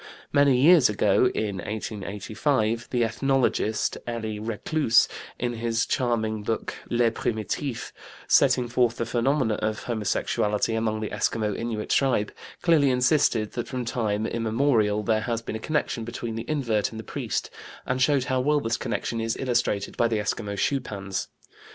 Many years ago (in 1885) the ethnologist, Elie Reclus, in his charming book, Les Primitifs, setting forth the phenomena of homosexuality among the Eskimo Innuit tribe, clearly insisted that from time immemorial there has been a connection between the invert and the priest, and showed how well this connection is illustrated by the Eskimo schupans.